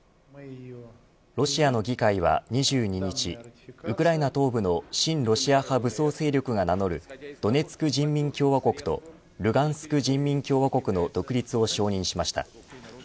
ロシアの議会は２２日ウクライナ東部の親ロシア派武装勢力が名乗るドネツク人民共和国とルガンスク人民共和国の独立を承認しました。